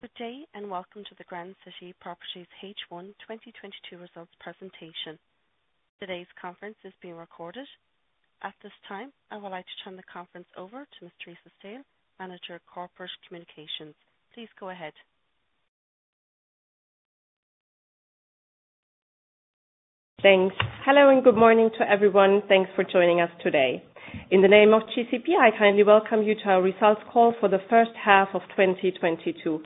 Good day, and welcome to the Grand City Properties H1 2022 Results Presentation. Today's conference is being recorded. At this time, I would like to turn the conference over to Ms. Theresa Sale, Manager of Corporate Communications. Please go ahead. Thanks. Hello, and good morning to everyone. Thanks for joining us today. In the name of GCP, I kindly welcome you to our results call for the first half of 2022.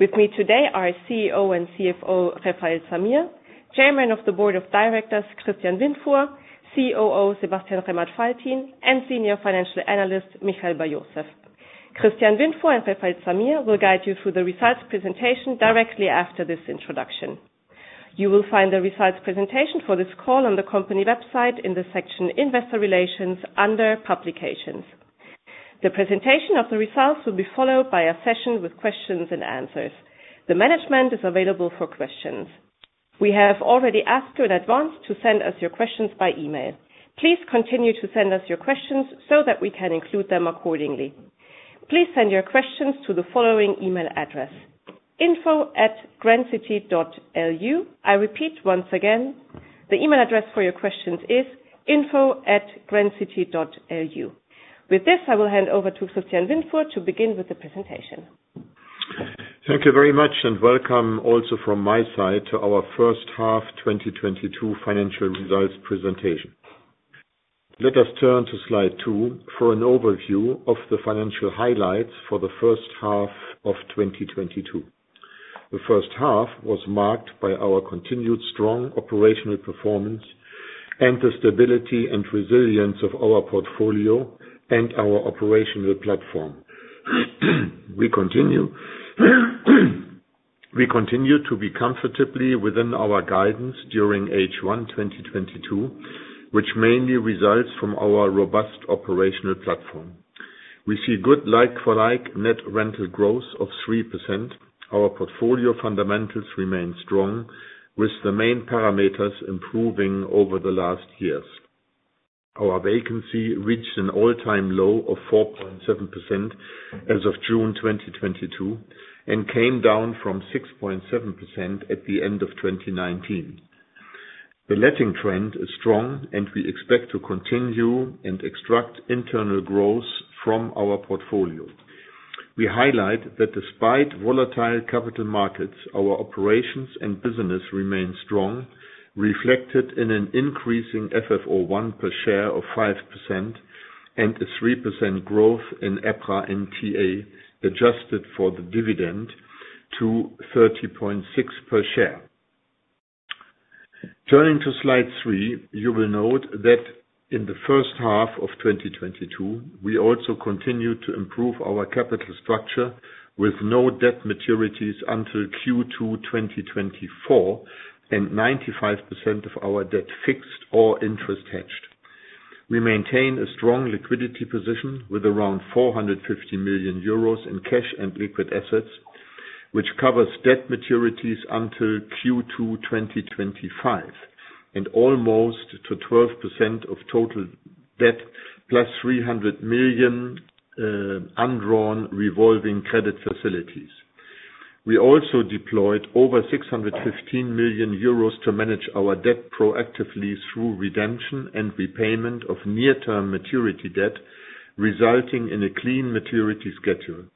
With me today are CEO and CFO, Refael Zamir, Chairman of the Board of Directors, Christian Windfuhr, COO, Sebastian Rehmert-Valtin, and Senior Financial Analyst, Michael Bar-Yosef. Christian Windfuhr and Refael Zamir will guide you through the results presentation directly after this introduction. You will find the results presentation for this call on the company website in the section Investor Relations under Publications. The presentation of the results will be followed by a session with questions and answers. The management is available for questions. We have already asked you in advance to send us your questions by email. Please continue to send us your questions so that we can include them accordingly. Please send your questions to the following email address: info@grandcity.lu. I repeat once again, the email address for your questions is info@grandcity.lu. With this, I will hand over to Christian Windfuhr to begin with the presentation. Thank you very much, and welcome also from my side to our First Half 2022 Financial Results Presentation. Let us turn to slide two for an overview of the financial highlights for the first half of 2022. The first half was marked by our continued strong operational performance and the stability and resilience of our portfolio and our operational platform. We continue to be comfortably within our guidance during H1 2022, which mainly results from our robust operational platform. We see good like-for-like net rental growth of 3%. Our portfolio fundamentals remain strong, with the main parameters improving over the last years. Our vacancy reached an all-time low of 4.7% as of June 2022, and came down from 6.7% at the end of 2019. The letting trend is strong and we expect to continue and extract internal growth from our portfolio. We highlight that despite volatile capital markets, our operations and business remain strong, reflected in an increasing FFO I per share of 5% and a 3% growth in EPRA NTA, adjusted for the dividend to 30.6 per share. Turning to slide three, you will note that in the first half of 2022, we also continued to improve our capital structure with no debt maturities until Q2 2024, and 95% of our debt fixed or interest hedged. We maintain a strong liquidity position with around 450 million euros in cash and liquid assets, which covers debt maturities until Q2 2025, and almost 12% of total debt, plus 300 million undrawn revolving credit facilities. We also deployed over 615 million euros to manage our debt proactively through redemption and repayment of near-term maturity debt, resulting in a clean maturity schedule.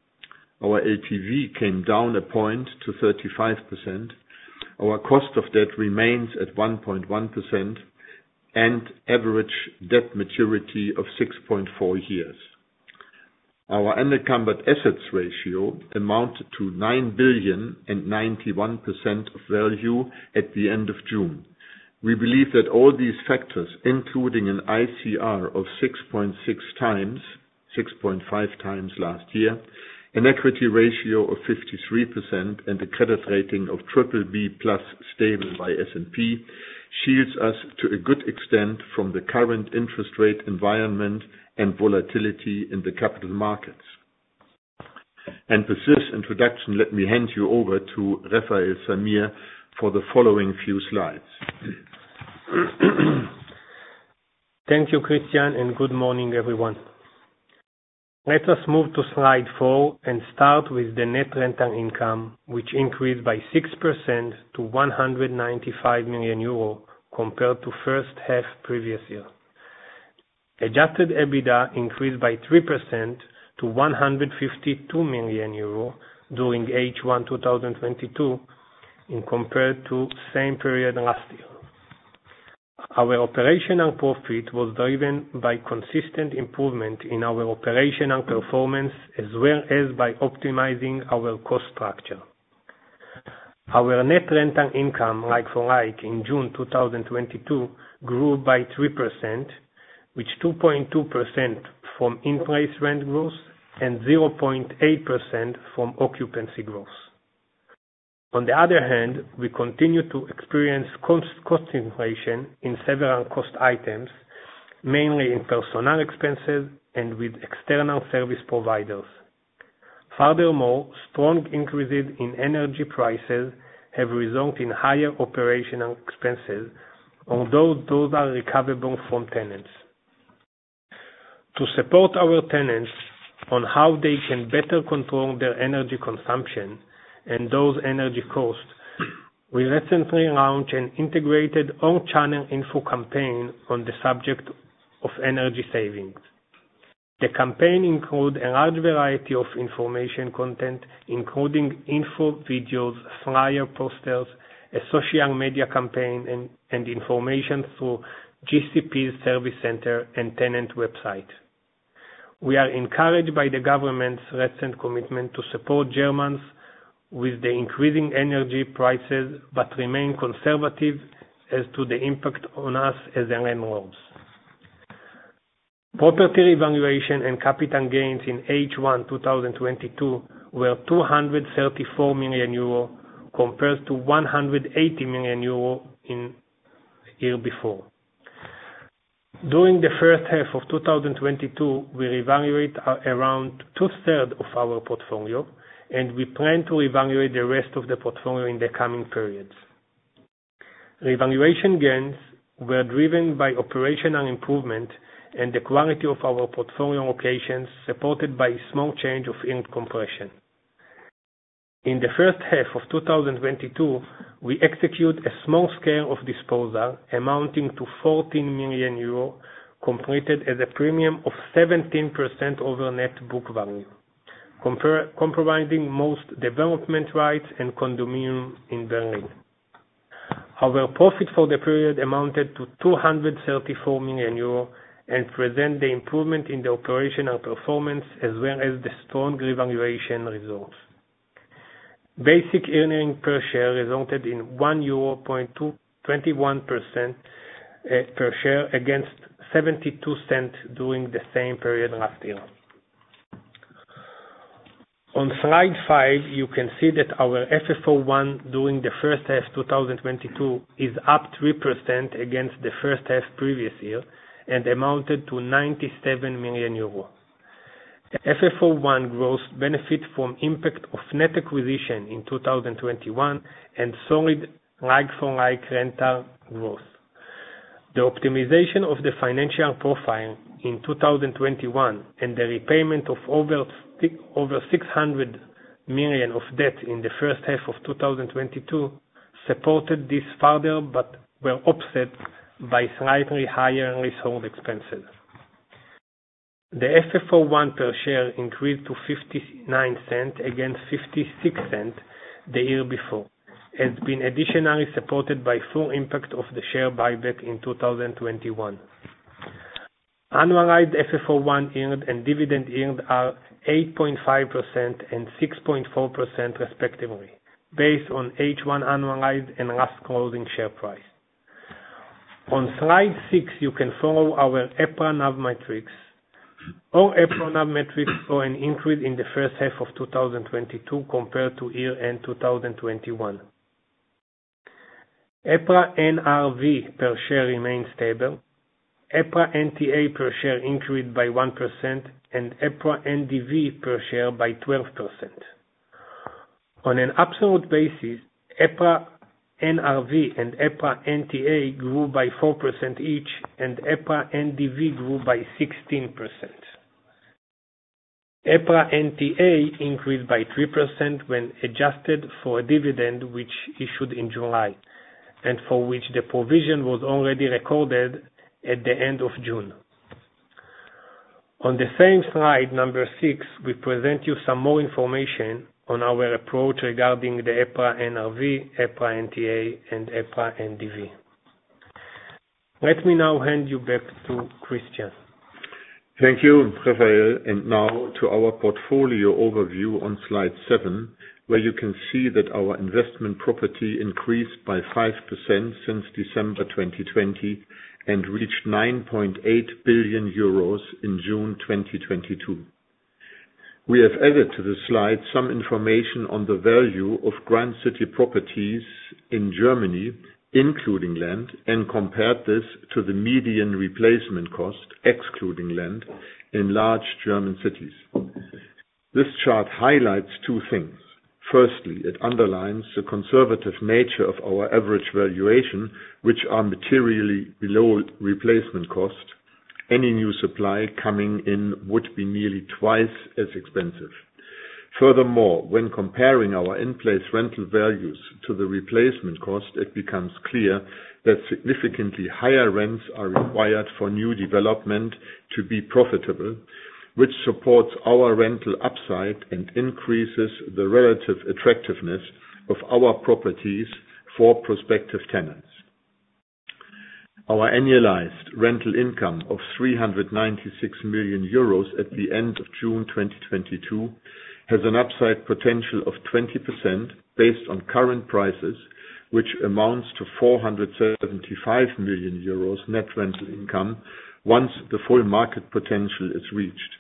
Our LTV came down 1 point to 35%. Our cost of debt remains at 1.1%, and average debt maturity of 6.4 years. Our encumbered assets ratio amounted to 9 billion and 91% of value at the end of June. We believe that all these factors, including an ICR of 6.6x, 6.5x last year, an equity ratio of 53%, and a credit rating of BBB+ stable by S&P, shields us to a good extent from the current interest rate environment and volatility in the capital markets. With this introduction, let me hand you over to Refael Zamir for the following few slides. Thank you, Christian, and good morning, everyone. Let us move to slide four and start with the net rental income, which increased by 6% to 195 million euro compared to first half previous year. Adjusted EBITDA increased by 3% to 152 million euro during H1 2022 compared to same period last year. Our operational profit was driven by consistent improvement in our operational performance, as well as by optimizing our cost structure. Our net rental income like-for-like in June 2022 grew by 3%, with 2.2% from in-place rent growth and 0.8% from occupancy growth. On the other hand, we continue to experience cost inflation in several cost items, mainly in personnel expenses and with external service providers. Furthermore, strong increases in energy prices have resulted in higher operational expenses, although those are recoverable from tenants. To support our tenants on how they can better control their energy consumption and those energy costs, we recently launched an integrated all-channel info campaign on the subject of energy savings. The campaign include a large variety of information content, including info videos, flyer posters, a social media campaign, and information through GCP's service center and tenant website. We are encouraged by the government's recent commitment to support Germans with the increasing energy prices, but remain conservative as to the impact on us as the landlords. Property valuation and capital gains in H1 2022 were 234 million euro, compared to 180 million euro in the year before. During the first half of 2022, we evaluated around two-thirds of our portfolio, and we plan to evaluate the rest of the portfolio in the coming periods. Revaluation gains were driven by operational improvement and the quality of our portfolio locations, supported by small change in yield compression. In the first half of 2022, we executed a small-scale disposal amounting to 14 million euros, completed at a premium of 17% over net book value. Comprising most development rights and condominiums in Berlin. Our profit for the period amounted to 234 million euro and represents the improvement in the operational performance, as well as the strong revaluation results. Basic earnings per share resulted in 1.21 euro, 21% per share against 0.72 EUR during the same period last year. On slide five, you can see that our FFO I during the first half 2022 is up 3% against the first half previous year and amounted to 97 million euros. FFO I growth benefited from impact of net acquisition in 2021 and solid like-for-like rental growth. The optimization of the financial profile in 2021 and the repayment of over 600 million of debt in the first half of 2022 supported this further, but were offset by slightly higher leasehold expenses. The FFO I per share increased to 0.59 EUR against 0.56 EUR the year before, has been additionally supported by full impact of the share buyback in 2021, Annualized FFO I yield and dividend yield are 8.5% and 6.4% respectively, based on H1 annualized and last closing share price. On slide six, you can follow our EPRA NAV metrics. All EPRA NAV metrics show an increase in the first half of 2022 compared to year-end 2021. EPRA NRV per share remains stable. EPRA NTA per share increased by 1%, and EPRA NDV per share by 12%. On an absolute basis, EPRA NRV and EPRA NTA grew by 4% each, and EPRA NDV grew by 16%. EPRA NTA increased by 3% when adjusted for a dividend which issued in July, and for which the provision was already recorded at the end of June. On the same slide, number six, we present you some more information on our approach regarding the EPRA NRV, EPRA NTA, and EPRA NDV. Let me now hand you back to Christian. Thank you, Refael. Now to our portfolio overview on slide seven, where you can see that our investment property increased by 5% since December 2020 and reached 9.8 billion euros in June 2022. We have added to the slide some information on the value of Grand City Properties in Germany, including land, and compared this to the median replacement cost, excluding land, in large German cities. This chart highlights two things. Firstly, it underlines the conservative nature of our average valuation, which are materially below replacement cost. Any new supply coming in would be nearly twice as expensive. Furthermore, when comparing our in-place rental values to the replacement cost, it becomes clear that significantly higher rents are required for new development to be profitable, which supports our rental upside and increases the relative attractiveness of our properties for prospective tenants. Our annualized rental income of 396 million euros at the end of June 2022 has an upside potential of 20% based on current prices, which amounts to 475 million euros net rental income once the full market potential is reached.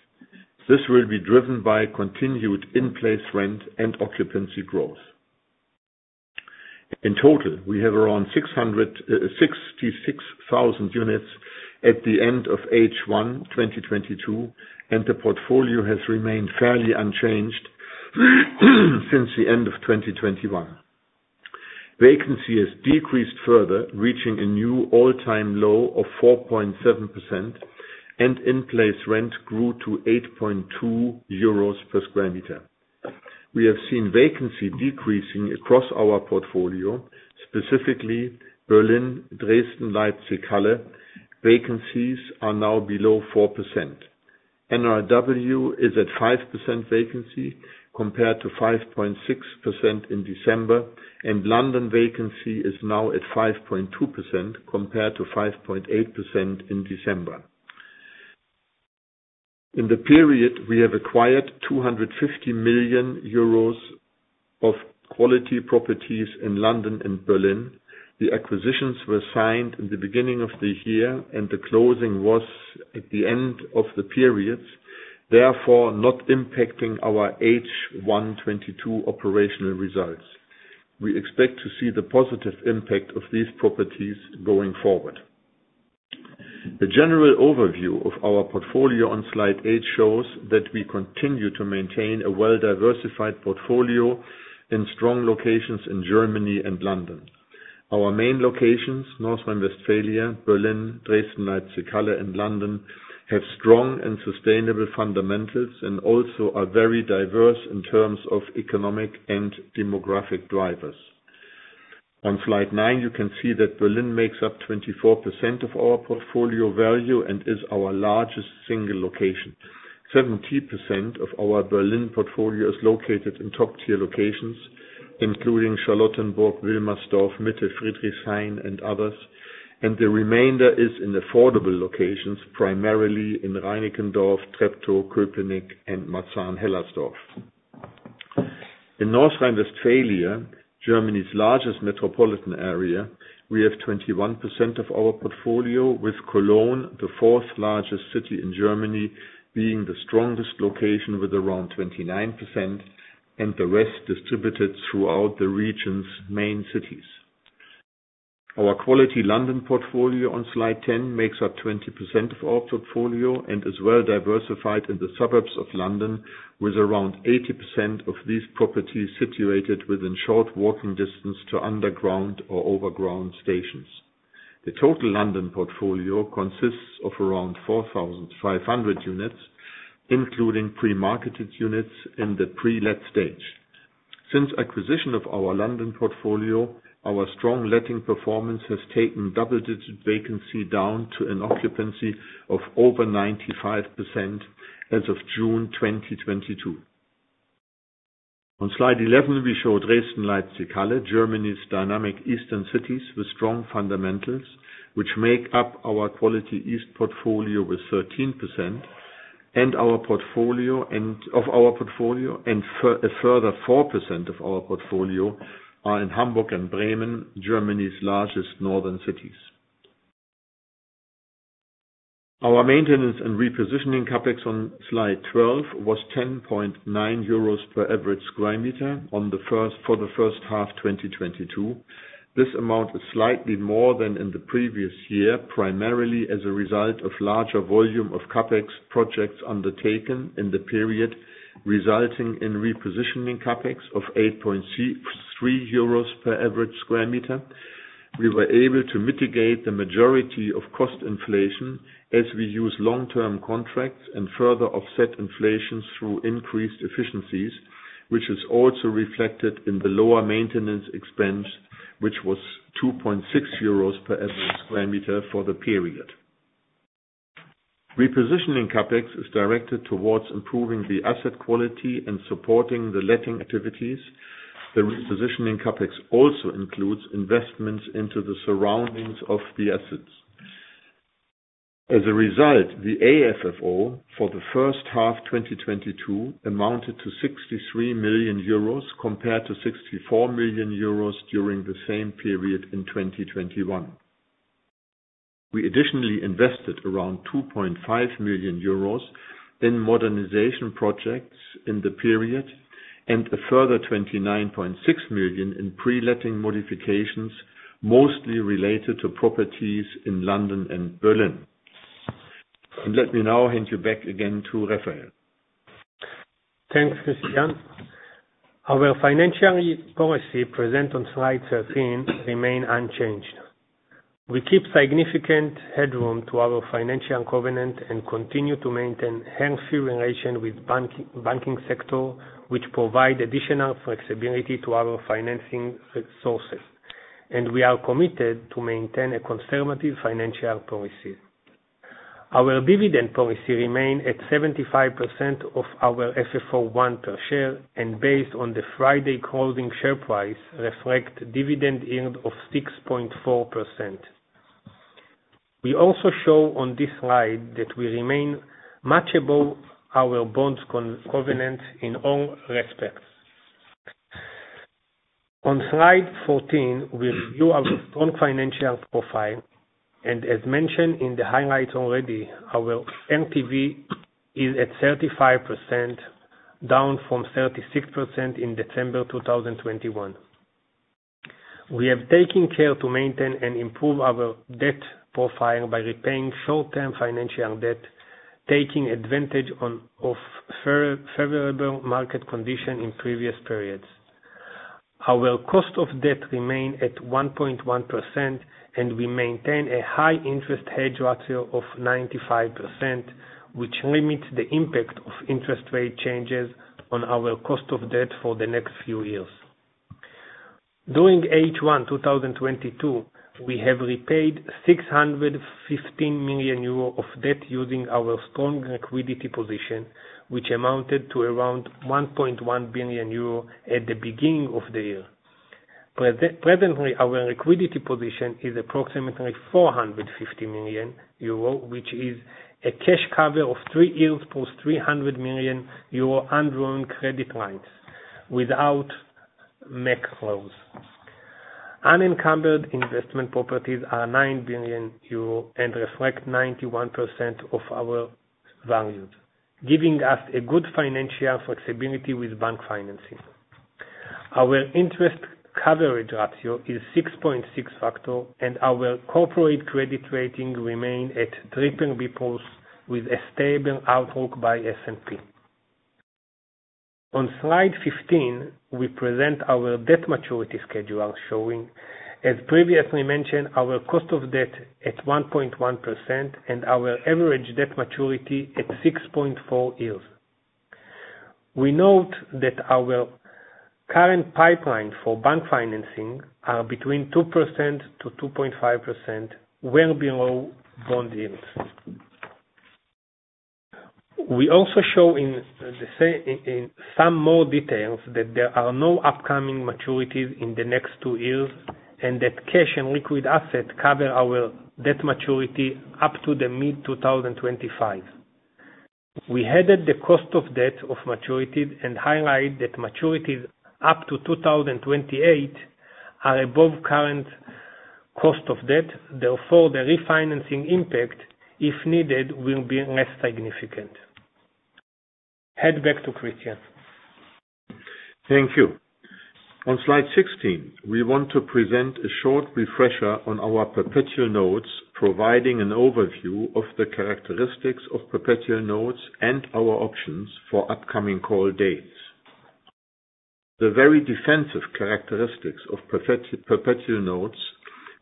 This will be driven by continued in-place rent and occupancy growth. In total, we have around 666,000 units at the end of H1 2022, and the portfolio has remained fairly unchanged since the end of 2021. Vacancy has decreased further, reaching a new all-time low of 4.7%, and in-place rent grew to 8.2 euros per square meter. We have seen vacancy decreasing across our portfolio, specifically Berlin, Dresden, Leipzig-Halle. Vacancies are now below 4%. NRW is at 5% vacancy compared to 5.6% in December, and London vacancy is now at 5.2% compared to 5.8% in December. In the period, we have acquired 250 million euros of quality properties in London and Berlin. The acquisitions were signed in the beginning of the year, and the closing was at the end of the period, therefore not impacting our H1 2022 operational results. We expect to see the positive impact of these properties going forward. The general overview of our portfolio on slide eight shows that we continue to maintain a well-diversified portfolio in strong locations in Germany and London. Our main locations, North Rhine-Westphalia, Berlin, Dresden, Leipzig-Halle, and London, have strong and sustainable fundamentals and also are very diverse in terms of economic and demographic drivers. On slide nine, you can see that Berlin makes up 24% of our portfolio value and is our largest single location. 70% of our Berlin portfolio is located in top-tier locations, including Charlottenburg, Wilmersdorf, Mitte, Friedrichshain, and others. The remainder is in affordable locations, primarily in Reinickendorf, Treptow, Köpenick, and Marzahn-Hellersdorf. In North Rhine-Westphalia, Germany's largest metropolitan area, we have 21% of our portfolio, with Cologne, the fourth largest city in Germany, being the strongest location with around 29% and the rest distributed throughout the region's main cities. Our quality London portfolio on slide 10 makes up 20% of our portfolio and is well diversified in the suburbs of London, with around 80% of these properties situated within short walking distance to underground or overground stations. The total London portfolio consists of around 4,500 units, including pre-marketed units in the pre-let stage. Since acquisition of our London portfolio, our strong letting performance has taken double-digit vacancy down to an occupancy of over 95% as of June 2022. On slide 11, we show Dresden, Leipzig-Halle, Germany's dynamic eastern cities with strong fundamentals, which make up our quality east portfolio with 13% of our portfolio, and a further 4% of our portfolio are in Hamburg and Bremen, Germany's largest northern cities. Our maintenance and repositioning CapEx on slide 12 was 10.9 euros per average square meter for the first half 2022. This amount is slightly more than in the previous year, primarily as a result of larger volume of CapEx projects undertaken in the period, resulting in repositioning CapEx of 8.3 euros per average square meter. We were able to mitigate the majority of cost inflation as we use long-term contracts and further offset inflation through increased efficiencies, which is also reflected in the lower maintenance expense, which was 2.6 euros per average square meter for the period. Repositioning CapEx is directed towards improving the asset quality and supporting the letting activities. The repositioning CapEx also includes investments into the surroundings of the assets. As a result, the AFFO for the first half of 2022 amounted to 63 million euros compared to 64 million euros during the same period in 2021. We additionally invested around 2.5 million euros in modernization projects in the period and a further 29.6 million in pre-letting modifications, mostly related to properties in London and Berlin. Let me now hand you back again to Refael. Thanks, Christian. Our financial policy presented on slide 13 remains unchanged. We keep significant headroom to our financial covenant and continue to maintain healthy relation with banking sector, which provides additional flexibility to our financing resources. We are committed to maintain a conservative financial policy. Our dividend policy remains at 75% of our FFO I per share, and based on the Friday closing share price, reflects dividend yield of 6.4%. We also show on this slide that we remain much above our bonds covenant in all respects. On slide 14, we view our strong financial profile. As mentioned in the highlights already, our LTV is at 35%. Down from 36% in December 2021. We have taken care to maintain and improve our debt profile by repaying short-term financial debt, taking advantage of favorable market condition in previous periods. Our cost of debt remain at 1.1%, and we maintain a high interest hedge ratio of 95%, which limits the impact of interest rate changes on our cost of debt for the next few years. During H1 2022, we have repaid 615 million euro of debt using our strong liquidity position, which amounted to around 1.1 billion euro at the beginning of the year. Presently, our liquidity position is approximately 450 million euro, which is a cash cover of three years plus 300 million euro undrawn credit lines without make-whole. Unencumbered investment properties are 9 billion euro and reflect 91% of our values, giving us a good financial flexibility with bank financing. Our interest coverage ratio is 6.6x, and our corporate credit rating remains at BBB+ with a stable outlook by S&P. On slide 15, we present our debt maturity schedule showing, as previously mentioned, our cost of debt at 1.1% and our average debt maturity at 6.4 years. We note that our current pipeline for bank financing is between 2%-2.5%, well below bond yields. We also show in some more details that there are no upcoming maturities in the next two years, and that cash and liquid assets cover our debt maturity up to mid-2025. We hedged the cost of debt of maturities and highlight that maturities up to 2028 are above current cost of debt. Therefore, the refinancing impact, if needed, will be less significant. Head back to Christian. Thank you. On slide 16, we want to present a short refresher on our perpetual notes, providing an overview of the characteristics of perpetual notes and our options for upcoming call dates. The very defensive characteristics of perpetual notes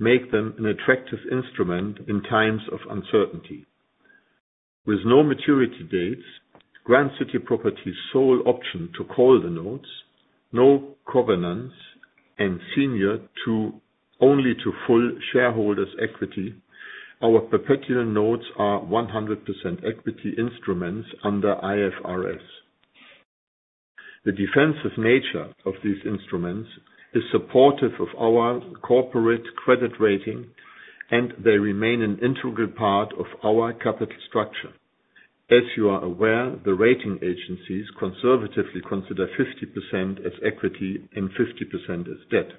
make them an attractive instrument in times of uncertainty. With no maturity dates, Grand City Properties' sole option to call the notes, no covenants, and senior only to full shareholders' equity, our perpetual notes are 100% equity instruments under IFRS. The defensive nature of these instruments is supportive of our corporate credit rating, and they remain an integral part of our capital structure. As you are aware, the rating agencies conservatively consider 50% as equity and 50% as debt,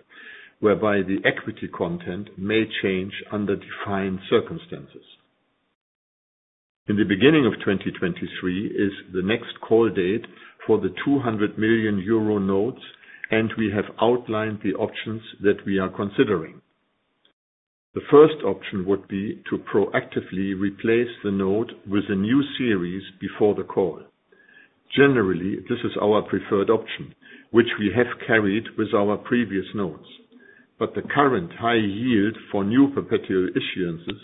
whereby the equity content may change under defined circumstances. In the beginning of 2023 is the next call date for the 200 million euro notes, and we have outlined the options that we are considering. The first option would be to proactively replace the note with a new series before the call. Generally, this is our preferred option, which we have carried with our previous notes. The current high yield for new perpetual issuances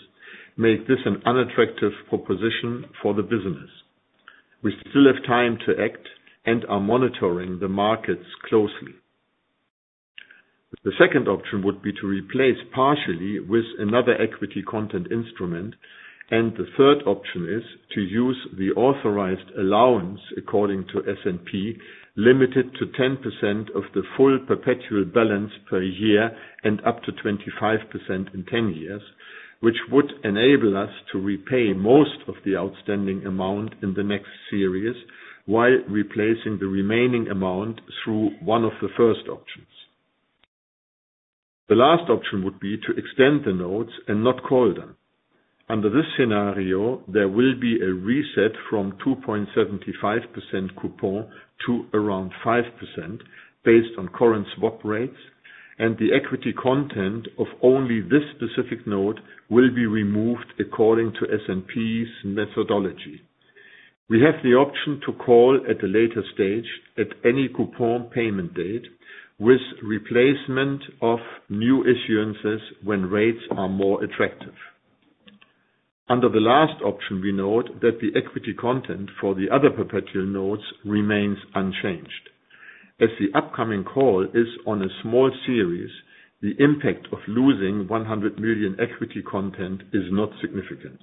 make this an unattractive proposition for the business. We still have time to act and are monitoring the markets closely. The second option would be to replace partially with another equity content instrument. The third option is to use the authorized allowance according to S&P, limited to 10% of the full perpetual balance per year and up to 25% in 10 years, which would enable us to repay most of the outstanding amount in the next series, while replacing the remaining amount through one of the first options. The last option would be to extend the notes and not call them. Under this scenario, there will be a reset from 2.75% coupon to around 5% based on current swap rates, and the equity content of only this specific note will be removed according to S&P's methodology. We have the option to call at a later stage at any coupon payment date with replacement of new issuances when rates are more attractive. Under the last option, we note that the equity content for the other perpetual notes remains unchanged. As the upcoming call is on a small series, the impact of losing 100 million equity content is not significant.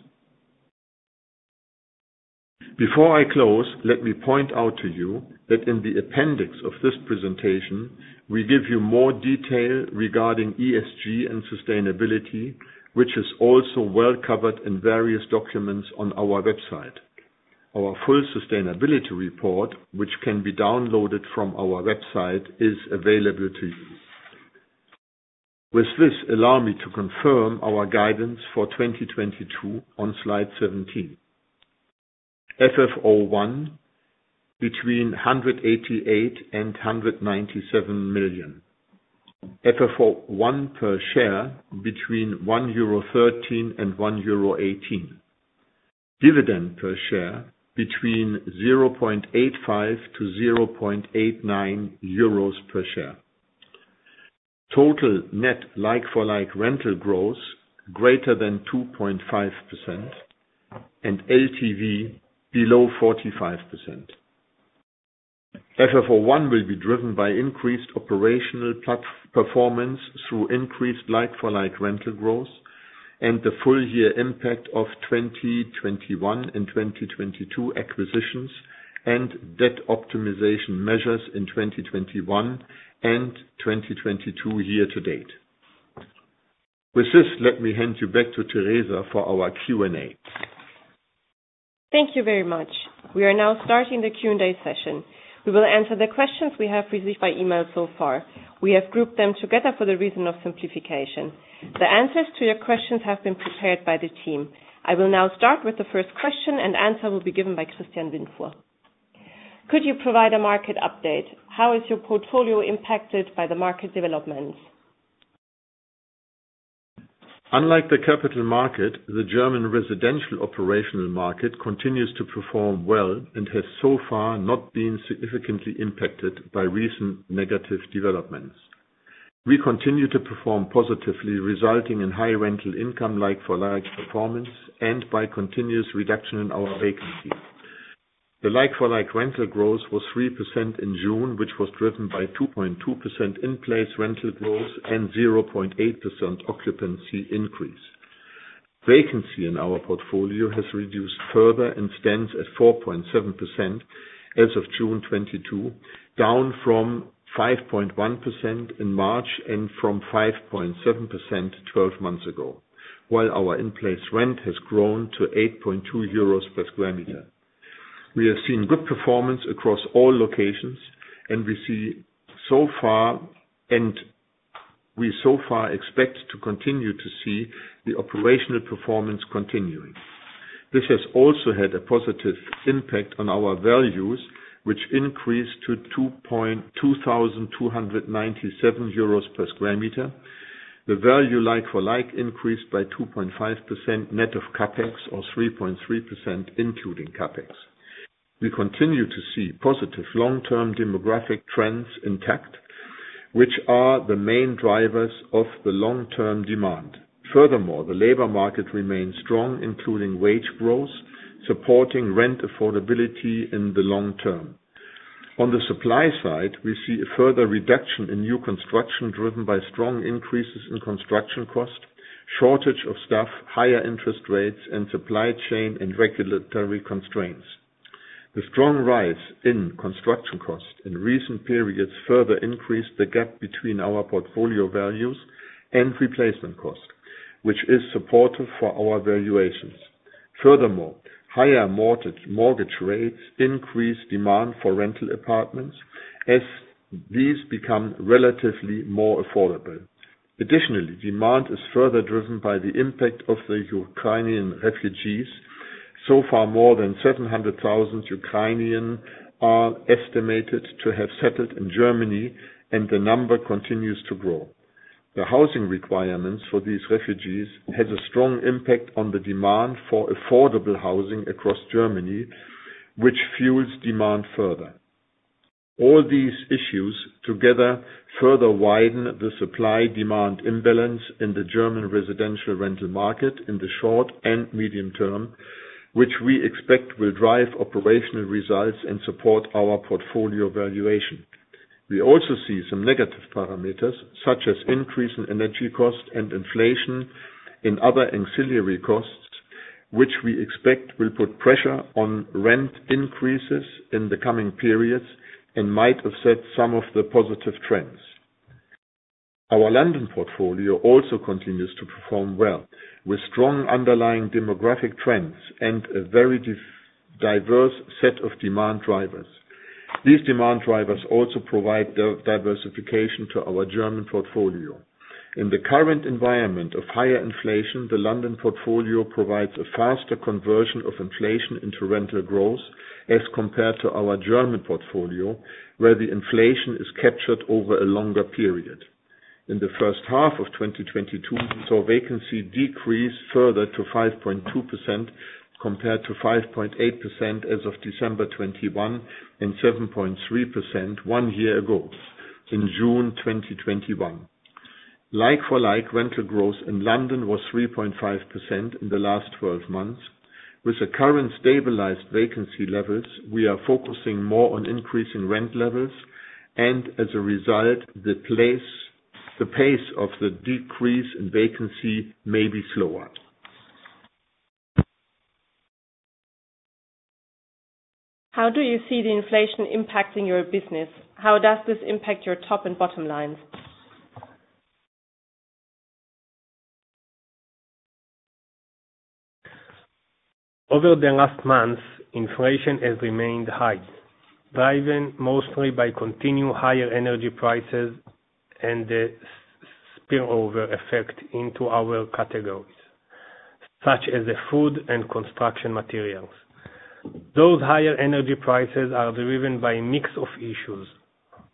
Before I close, let me point out to you that in the appendix of this presentation, we give you more detail regarding ESG and sustainability, which is also well covered in various documents on our website. Our full sustainability report, which can be downloaded from our website, is available to you. With this, allow me to confirm our guidance for 2022 on slide 17. FFO I between 188 million and 197 million. FFO I per share between 1.13 euro and 1.18 euro. Dividend per share between 0.85 and 0.89 euros per share. Total net like-for-like rental growth greater than 2.5% and LTV below 45%. FFO I will be driven by increased operational performance through increased like-for-like rental growth and the full year impact of 2021 and 2022 acquisitions and debt optimization measures in 2021 and 2022 year to date. With this, let me hand you back to Theresa for our Q&A. Thank you very much. We are now starting the Q&A session. We will answer the questions we have received by email so far. We have grouped them together for the reason of simplification. The answers to your questions have been prepared by the team. I will now start with the first question, and answer will be given by Christian Windfuhr. Could you provide a market update? How is your portfolio impacted by the market developments? Unlike the capital market, the German residential operational market continues to perform well and has so far not been significantly impacted by recent negative developments. We continue to perform positively, resulting in high rental income like for like performance and by continuous reduction in our vacancies. The like for like rental growth was 3% in June, which was driven by 2.2% in place rental growth and 0.8% occupancy increase. Vacancy in our portfolio has reduced further and stands at 4.7% as of June 2022, down from 5.1% in March and from 5.7% 12 months ago, while our in place rent has grown to 8.2 euros per square meter. We have seen good performance across all locations, and we see so far expect to continue to see the operational performance continuing. This has also had a positive impact on our values, which increased to 2,297 euros per square meter. The value like-for-like increased by 2.5% net of CapEx, or 3.3% including CapEx. We continue to see positive long-term demographic trends intact, which are the main drivers of the long-term demand. Furthermore, the labor market remains strong, including wage growth, supporting rent affordability in the long term. On the supply side, we see a further reduction in new construction driven by strong increases in construction cost, shortage of staff, higher interest rates, and supply chain and regulatory constraints. The strong rise in construction costs in recent periods further increased the gap between our portfolio values and replacement costs, which is supportive for our valuations. Furthermore, higher mortgage rates increase demand for rental apartments as these become relatively more affordable. Additionally, demand is further driven by the impact of the Ukrainian refugees. So far, more than 700,000 Ukrainians are estimated to have settled in Germany, and the number continues to grow. The housing requirements for these refugees have a strong impact on the demand for affordable housing across Germany, which fuels demand further. All these issues together further widen the supply demand imbalance in the German residential rental market in the short and medium term, which we expect will drive operational results and support our portfolio valuation. We also see some negative parameters, such as increase in energy cost and inflation in other ancillary costs, which we expect will put pressure on rent increases in the coming periods and might offset some of the positive trends. Our London portfolio also continues to perform well, with strong underlying demographic trends and a very diverse set of demand drivers. These demand drivers also provide diversification to our German portfolio. In the current environment of higher inflation, the London portfolio provides a faster conversion of inflation into rental growth as compared to our German portfolio, where the inflation is captured over a longer period. In the first half of 2022, vacancy decreased further to 5.2% compared to 5.8% as of December 2021 and 7.3% one year ago in June 2021. Like-for-like rental growth in London was 3.5% in the last 12 months. With the current stabilized vacancy levels, we are focusing more on increasing rent levels and as a result, the pace of the decrease in vacancy may be slower. How do you see the inflation impacting your business? How does this impact your top and bottom lines? Over the last month, inflation has remained high, driven mostly by continued higher energy prices and the spillover effect into our categories, such as the food and construction materials. Those higher energy prices are driven by a mix of issues.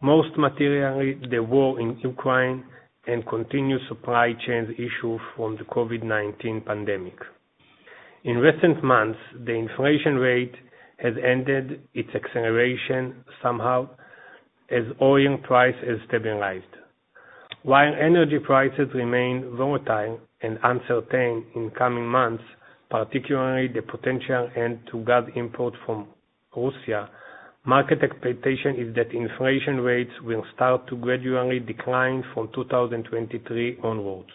Most materially, the war in Ukraine and continued supply chain issues from the COVID-19 pandemic. In recent months, the inflation rate has ended its acceleration somehow as oil prices have stabilized. While energy prices remain volatile and uncertain in coming months, particularly the potential end to gas imports from Russia, market expectations are that inflation rates will start to gradually decline from 2023 onwards.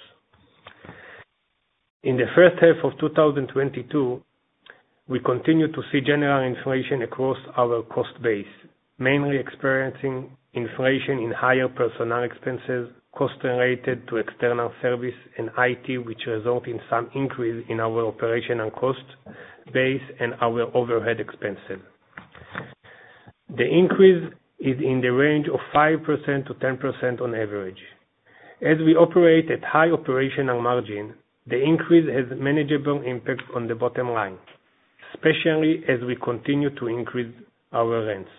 In the first half of 2022, we continue to see general inflation across our cost base, mainly experiencing inflation in higher personnel expenses, costs related to external service and IT which result in some increase in our operational cost base and our overhead expenses. The increase is in the range of 5%-10% on average. As we operate at high operational margin, the increase has manageable impact on the bottom line, especially as we continue to increase our rents.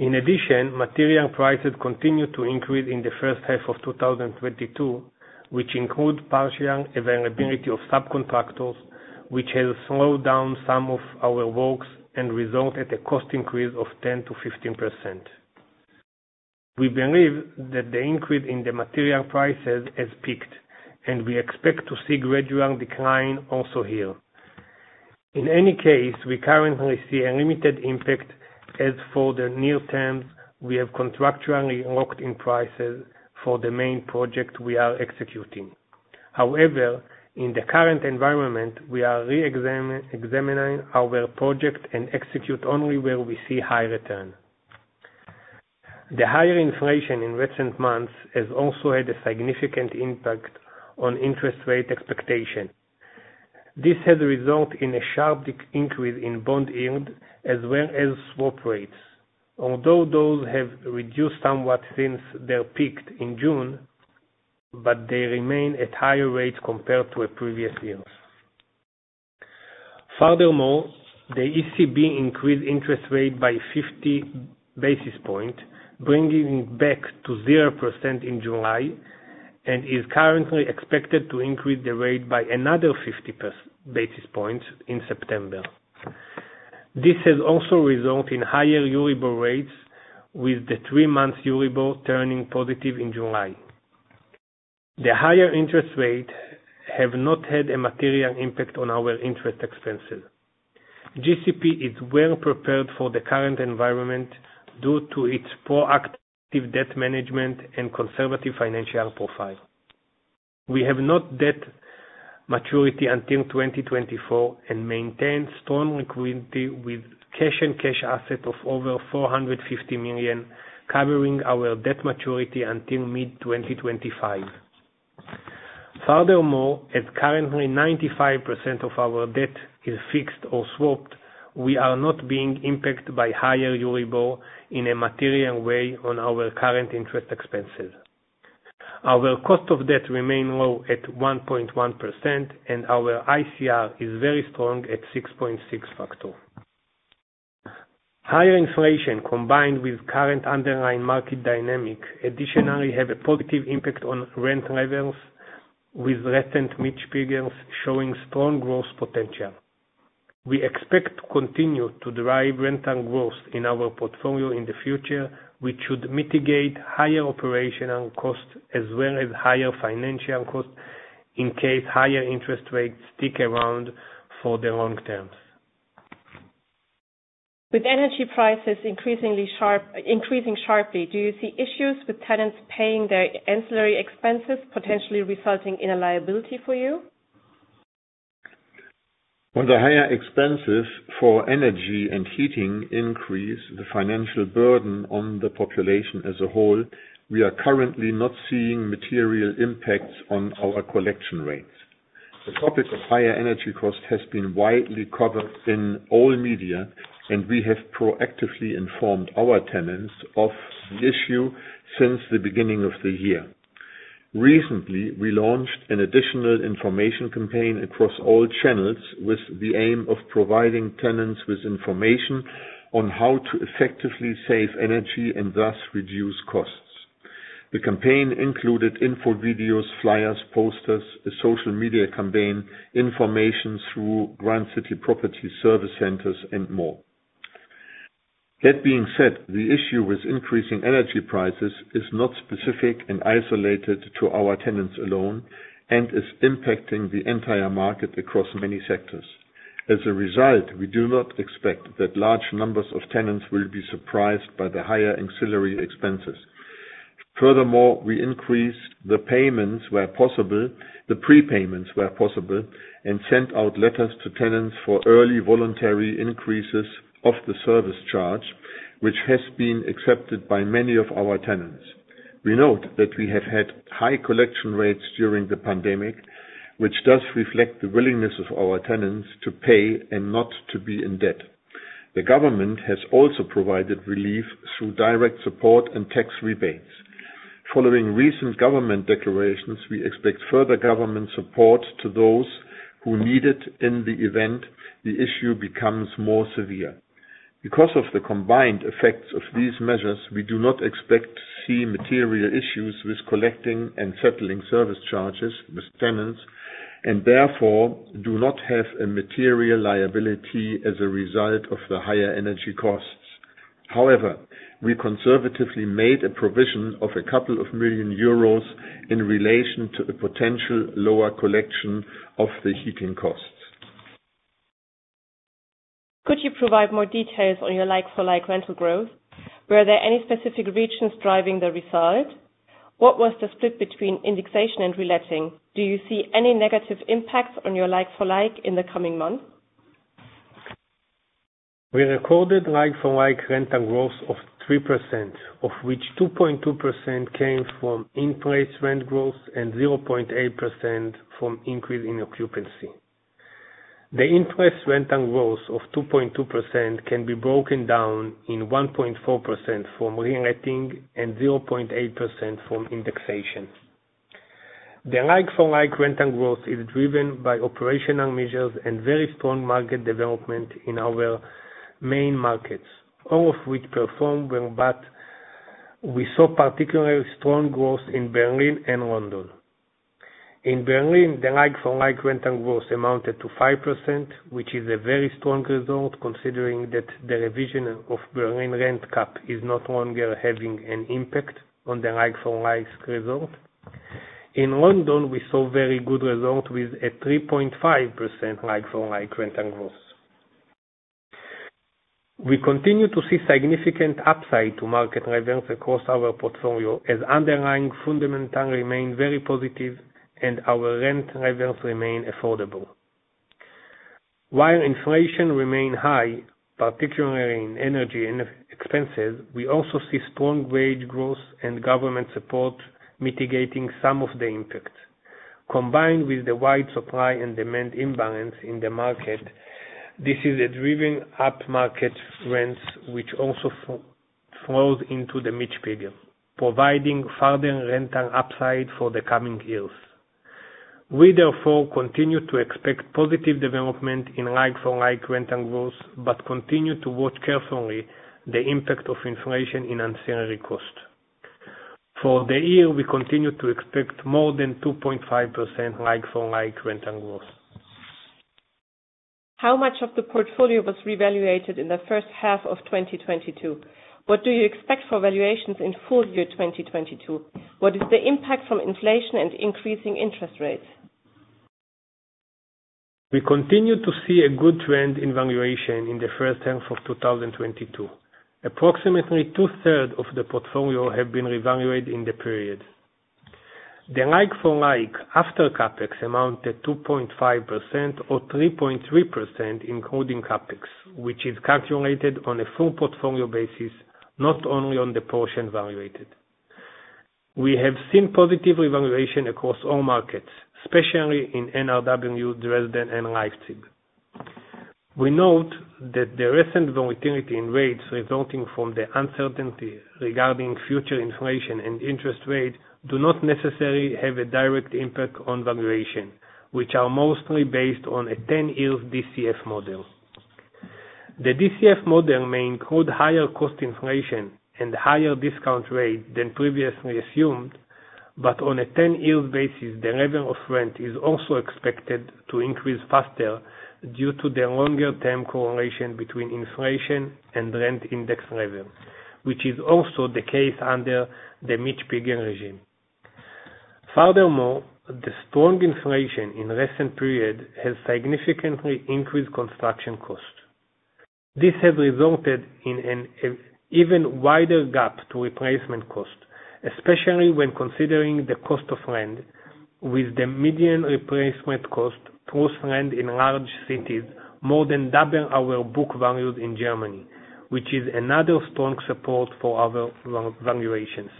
In addition, material prices continue to increase in the first half of 2022, which include partial availability of subcontractors, which has slowed down some of our works and resulted a cost increase of 10%-15%. We believe that the increase in the material prices has peaked, and we expect to see gradual decline also here. In any case, we currently see a limited impact as for the near terms, we have contractually locked in prices for the main project we are executing. However, in the current environment, we are re-examining our project and execute only where we see high return. The higher inflation in recent months has also had a significant impact on interest rate expectation. This has resulted in a sharp increase in bond yield as well as swap rates. Although those have reduced somewhat since their peak in June, but they remain at higher rates compared to our previous years. Furthermore, the ECB increased interest rate by 50 basis points, bringing back to 0% in July, and is currently expected to increase the rate by another 50 basis points in September. This has also resulted in higher Euribor rates with the three-month Euribor turning positive in July. The higher interest rates have not had a material impact on our interest expenses. GCP is well prepared for the current environment due to its proactive debt management and conservative financial profile. We have no debt maturity until 2024 and maintain strong liquidity with cash and cash equivalents of over 450 million, covering our debt maturity until mid-2025. Furthermore, as currently 95% of our debt is fixed or swapped, we are not being impacted by higher Euribor in a material way on our current interest expenses. Our cost of debt remains low at 1.1%, and our ICR is very strong at 6.6x. Higher inflation, combined with current underlying market dynamics, additionally have a positive impact on rent levels, with recent Mietspiegel figures showing strong growth potential. We expect to continue to derive rental growth in our portfolio in the future, which should mitigate higher operational costs as well as higher financial costs in case higher interest rates stick around for the long term. With energy prices increasing sharply, do you see issues with tenants paying their ancillary expenses, potentially resulting in a liability for you? When the higher expenses for energy and heating increase the financial burden on the population as a whole, we are currently not seeing material impacts on our collection rates. The topic of higher energy cost has been widely covered in all media, and we have proactively informed our tenants of the issue since the beginning of the year. Recently, we launched an additional information campaign across all channels with the aim of providing tenants with information on how to effectively save energy and, thus, reduce costs. The campaign included info videos, flyers, posters, a social media campaign, information through Grand City Properties service centers, and more. That being said, the issue with increasing energy prices is not specific and isolated to our tenants alone and is impacting the entire market across many sectors. As a result, we do not expect that large numbers of tenants will be surprised by the higher ancillary expenses. Furthermore, we increased the prepayments where possible, and sent out letters to tenants for early voluntary increases of the service charge, which has been accepted by many of our tenants. We note that we have had high collection rates during the pandemic, which does reflect the willingness of our tenants to pay and not to be in debt. The government has also provided relief through direct support and tax rebates. Following recent government declarations, we expect further government support to those who need it in the event the issue becomes more severe. Because of the combined effects of these measures, we do not expect to see material issues with collecting and settling service charges with tenants, and therefore, do not have a material liability as a result of the higher energy costs. However, we conservatively made a provision of 2 million euros in relation to the potential lower collection of the heating costs. Could you provide more details on your like-for-like rental growth? Were there any specific regions driving the result? What was the split between indexation and reletting? Do you see any negative impacts on your like-for-like in the coming months? We recorded like-for-like rental growth of 3%, of which 2.2% came from in-place rent growth and 0.8% from increase in occupancy. The in-place rental growth of 2.2% can be broken down in 1.4% from reletting and 0.8% from indexation. The like-for-like rental growth is driven by operational measures and very strong market development in our main markets, all of which performed well, but we saw particularly strong growth in Berlin and London. In Berlin, the like-for-like rental growth amounted to 5%, which is a very strong result considering that the revision of Berlin rent cap is no longer having an impact on the like-for-like result. In London, we saw very good result with a 3.5% like-for-like rental growth. We continue to see significant upside to market levels across our portfolio as underlying fundamentals remain very positive and our rent levels remain affordable. While inflation remain high, particularly in energy and expenses, we also see strong wage growth and government support mitigating some of the impacts. Combined with the wide supply and demand imbalance in the market, this is driving up market rents, which also flows into the Mietspiegel, providing further rental upside for the coming years. We therefore continue to expect positive development in like-for-like rental growth, but continue to watch carefully the impact of inflation in ancillary costs. For the year, we continue to expect more than 2.5% like-for-like rental growth. How much of the portfolio was revalued in the first half of 2022? What do you expect for valuations in full year 2022? What is the impact from inflation and increasing interest rates? We continue to see a good trend in valuation in the first half of 2022. Approximately two-thirds of the portfolio has been revalued in the period. The like-for-like after CapEx amounted to 2.5% or 3.3% including CapEx, which is calculated on a full portfolio basis, not only on the portion revalued. We have seen positive revaluation across all markets, especially in NRW, Dresden, and Leipzig. We note that the recent volatility in rates resulting from the uncertainty regarding future inflation and interest rates does not necessarily have a direct impact on valuation, which is mostly based on a 10-year DCF model. The DCF model may include higher cost inflation and higher discount rate than previously assumed, but on a 10-year basis, the level of rent is also expected to increase faster due to the longer-term correlation between inflation and rent index level, which is also the case under the Mietspiegel regime. Furthermore, the strong inflation in recent period has significantly increased construction costs. This has resulted in an even wider gap to replacement cost, especially when considering the cost of land, with the median replacement cost plus land in large cities more than double our book values in Germany, which is another strong support for our valuations.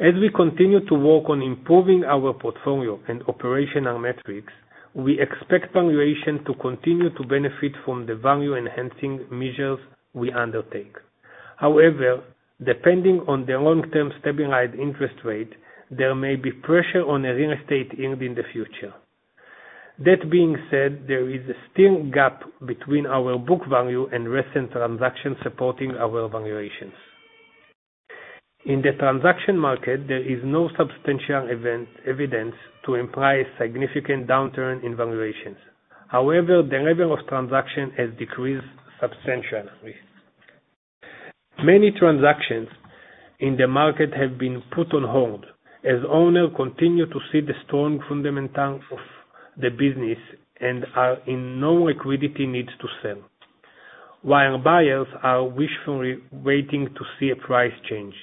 As we continue to work on improving our portfolio and operational metrics, we expect valuation to continue to benefit from the value-enhancing measures we undertake. However, depending on the long-term stabilized interest rate, there may be pressure on the real estate yield in the future. That being said, there is still a gap between our book value and recent transactions supporting our valuations. In the transaction market, there is no substantial even evidence to imply a significant downturn in valuations. However, the level of transactions has decreased substantially. Many transactions in the market have been put on hold as owners continue to see the strong fundamentals of the business and have no liquidity needs to sell. While buyers are wishfully waiting to see a price change,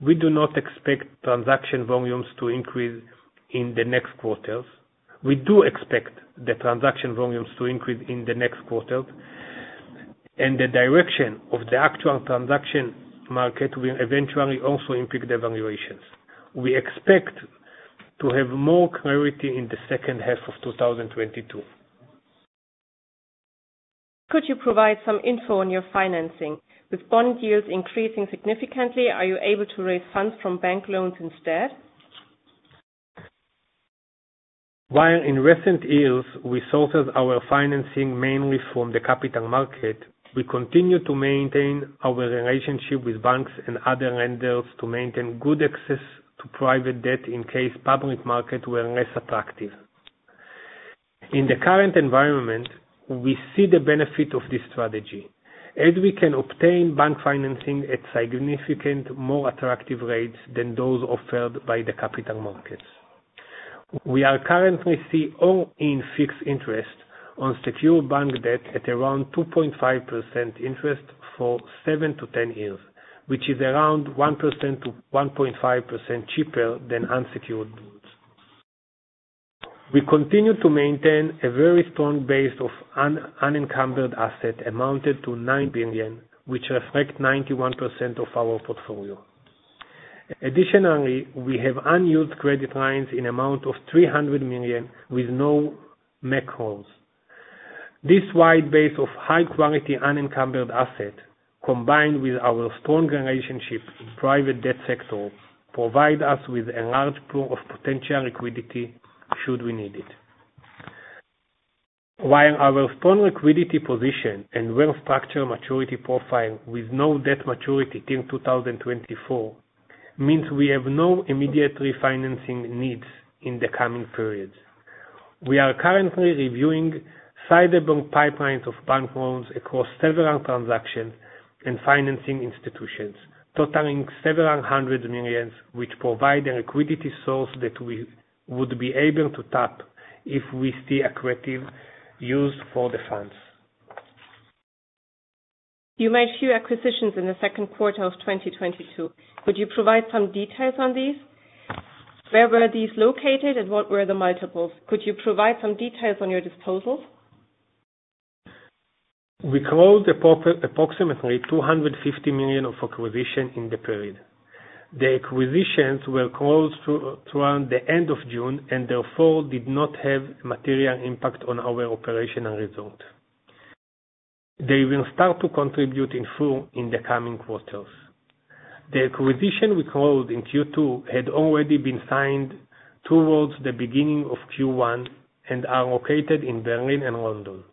we do not expect transaction volumes to increase in the next quarters. We do expect the transaction volumes to increase in the next quarters. The direction of the actual transaction market will eventually also impact the valuations. We expect to have more clarity in the second half of 2022. Could you provide some info on your financing? With bond yields increasing significantly, are you able to raise funds from bank loans instead? While in recent years we sourced our financing mainly from the capital market, we continue to maintain our relationship with banks and other lenders to maintain good access to private debt in case public markets were less attractive. In the current environment, we see the benefit of this strategy as we can obtain bank financing at significantly more attractive rates than those offered by the capital markets. We are currently seeing all-in fixed interest on secure bank debt at around 2.5% interest for seven-10 years, which is around 1%-1.5% cheaper than unsecured loans. We continue to maintain a very strong base of unencumbered assets amounting to 9 billion, which reflects 91% of our portfolio. Additionally, we have unused credit lines amounting to 300 million with no make-whole. This wide base of high-quality unencumbered asset, combined with our strong relationship in private debt sector, provide us with a large pool of potential liquidity should we need it. While our strong liquidity position and well-structured maturity profile with no debt maturity till 2024 means we have no immediate refinancing needs in the coming periods. We are currently reviewing sizable pipelines of bank loans across several transactions and financing institutions totaling several hundred million EUR, which provide a liquidity source that we would be able to tap if we see accretive use for the funds. You made few acquisitions in the second quarter of 2022. Could you provide some details on these? Where were these located and what were the multiples? Could you provide some details on your disposals? We closed approximately 250 million of acquisition in the period. The acquisitions were closed throughout the end of June and therefore did not have material impact on our operational results. They will start to contribute in full in the coming quarters. The acquisitions we closed in Q2 had already been signed towards the beginning of Q1 and were located in Berlin and London.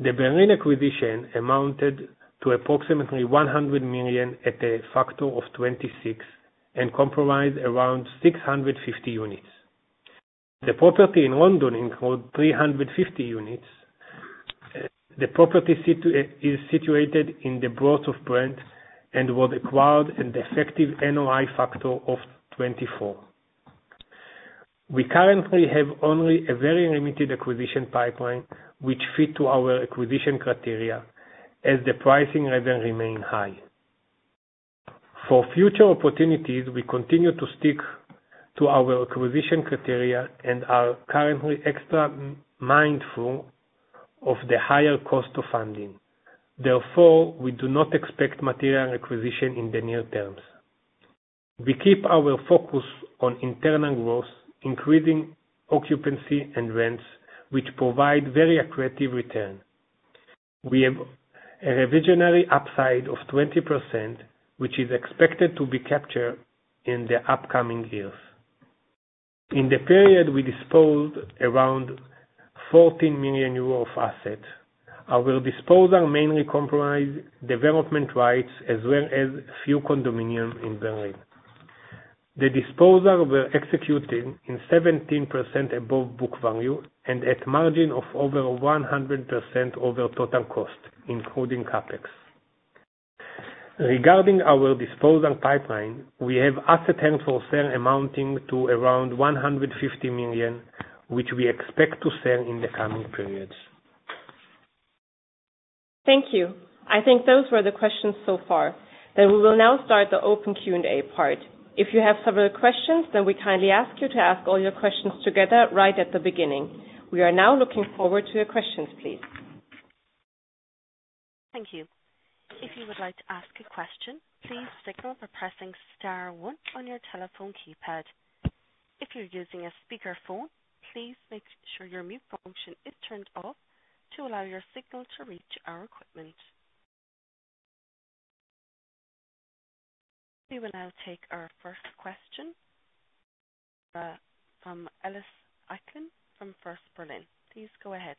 The Berlin acquisition amounted to approximately 100 million at a factor of 26 and comprises around 650 units. The property in London includes 350 units. The property is situated in the Borough of Brent and was acquired at the effective NOI factor of 24. We currently have only a very limited acquisition pipeline which fits to our acquisition criteria as the pricing remains rather high. For future opportunities, we continue to stick to our acquisition criteria and are currently extra mindful of the higher cost of funding. Therefore, we do not expect material acquisition in the near terms. We keep our focus on internal growth, increasing occupancy and rents, which provide very accretive return. We have a revisionary upside of 20%, which is expected to be captured in the upcoming years. In the period, we disposed around 14 million euro of assets. Our disposal mainly comprise development rights as well as few condominiums in Berlin. The disposal were executed in 17% above book value and at margin of over 100% over total cost, including CapEx. Regarding our disposal pipeline, we have asset held for sale amounting to around 150 million, which we expect to sell in the coming periods. Thank you. I think those were the questions so far. We will now start the open Q&A part. If you have several questions, then we kindly ask you to ask all your questions together right at the beginning. We are now looking forward to your questions, please. Thank you. If you would like to ask a question, please signal by pressing star one on your telephone keypad. If you're using a speakerphone, please make sure your mute function is turned off to allow your signal to reach our equipment. We will now take our first question from Ellis Acklin from First Berlin. Please go ahead.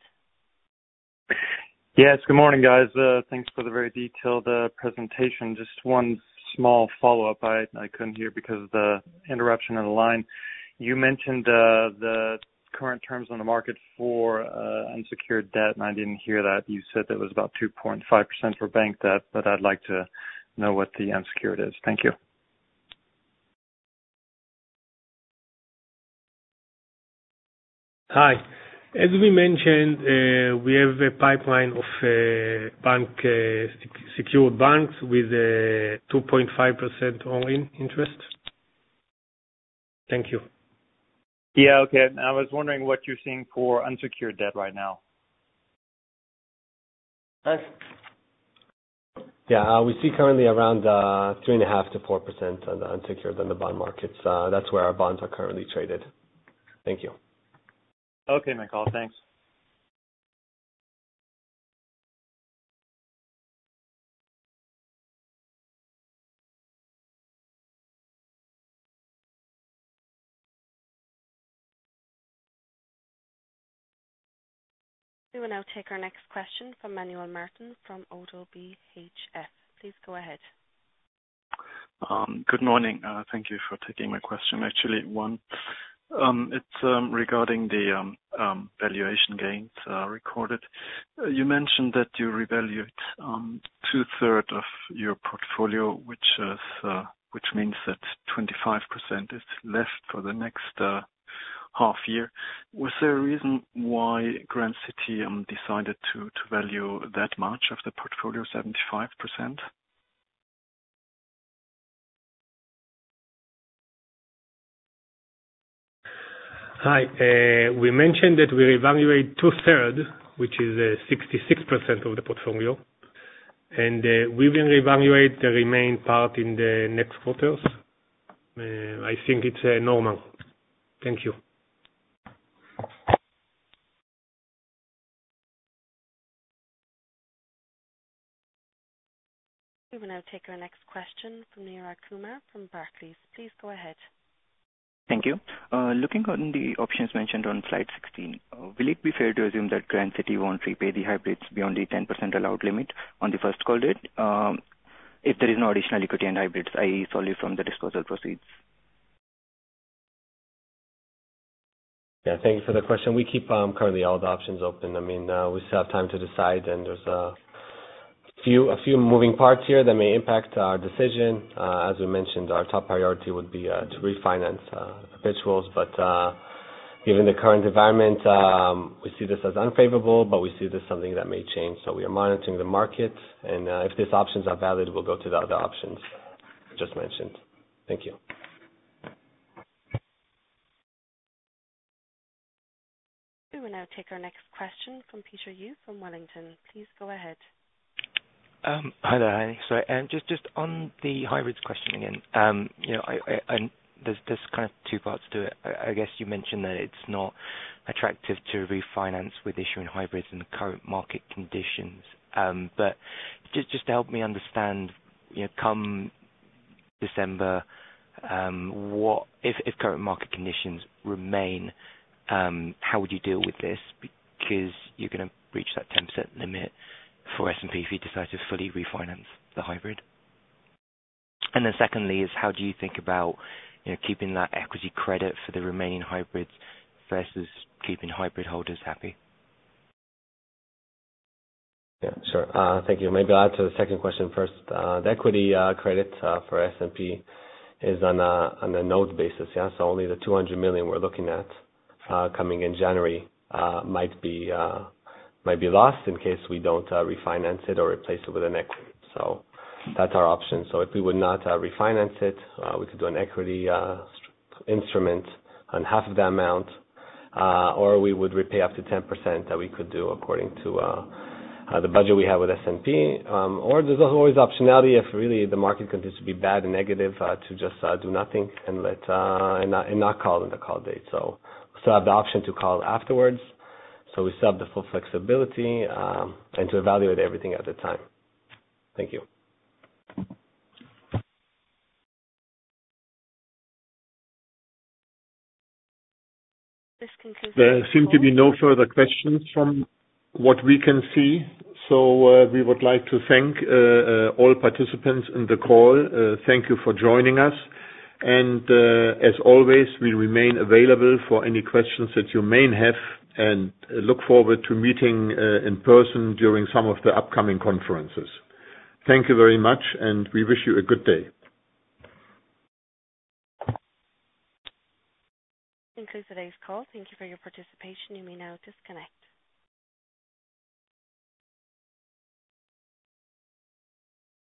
Yes, good morning, guys. Thanks for the very detailed presentation. Just one small follow-up I couldn't hear because of the interruption of the line. You mentioned the current terms on the market for unsecured debt, and I didn't hear that. You said that was about 2.5% for bank debt, but I'd like to know what the unsecured is. Thank you. Hi. As we mentioned, we have a pipeline of bank-secured loans with a 2.5% all-in interest. Thank you. Yeah. Okay. I was wondering what you're seeing for unsecured debt right now. Yeah, we see currently around 3.5%-4% on the unsecured and the bond markets. That's where our bonds are currently traded. Thank you. Okay, Michael. Thanks. We will now take our next question from Manuel Martin from Oddo BHF. Please go ahead. Good morning. Thank you for taking my question. Actually one. It's regarding the valuation gains recorded. You mentioned that you revalue two-thirds of your portfolio, which means that 25% is left for the next half year. Was there a reason why Grand City decided to value that much of the portfolio, 75%? Hi. We mentioned that we evaluate two-thirds, which is 66% of the portfolio, and we will evaluate the remaining part in the next quarters. I think it's normal. Thank you. We will now take our next question from Neeraj Kumar from Barclays. Please go ahead. Thank you. Looking on the options mentioned on slide 16, will it be fair to assume that Grand City won't repay the hybrids beyond the 10% allowed limit on the first call date, if there is no additional equity in hybrids, i.e. solely from the disposal proceeds? Yeah, thank you for the question. We keep currently all the options open. I mean, we still have time to decide, and there's a few moving parts here that may impact our decision. As we mentioned, our top priority would be to refinance perpetuals. Given the current environment, we see this as unfavorable, but we see there's something that may change. We are monitoring the market, and if these options are valid, we'll go to the other options just mentioned. Thank you. We will now take our next question from Peter Yu from Wellington. Please go ahead. Hi there. Sorry. Just on the hybrids question again. You know, and there's kind of two parts to it. I guess you mentioned that it's not attractive to refinance with issuing hybrids in the current market conditions. Just to help me understand, you know, come December, what? If current market conditions remain, how would you deal with this? Because you're gonna reach that 10% limit for S&P if you decide to fully refinance the hybrid. Secondly is, how do you think about, you know, keeping that equity credit for the remaining hybrids versus keeping hybrid holders happy? Yeah, sure. Thank you. Maybe I'll answer the second question first. The equity credit for S&P is on a notional basis. Yeah. So only the 200 million we're looking at coming in January might be lost in case we don't refinance it or replace it with an equity. So that's our option. So if we would not refinance it, we could do an equity instrument on half of the amount or we would repay up to 10% that we could do according to the budget we have with S&P. Or there's always optionality if really the market continues to be bad and negative to just do nothing and not call in the call date, We still have the option to call afterwards. We still have the full flexibility, and to evaluate everything at the time. Thank you. This concludes our call. There seem to be no further questions from what we can see. We would like to thank all participants in the call. Thank you for joining us. As always, we remain available for any questions that you may have and look forward to meeting in person during some of the upcoming conferences. Thank you very much, and we wish you a good day. This concludes today's call. Thank you for your participation. You may now disconnect.